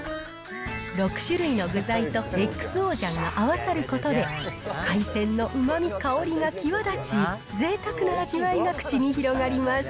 ６種類の具材とＸＯ醤が合わさることで、海鮮のうまみ、香りが際立ち、ぜいたくな味わいが口に広がります。